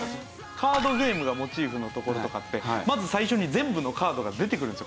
カードゲームがモチーフのところとかあってまず最初に全部のカードが出てくるんですよコマに。